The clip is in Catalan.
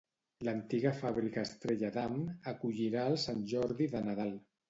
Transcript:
L'Antiga Fábrica Estrella Damm acollirà el Sant Jordi de Nadal.